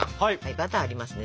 バターありますね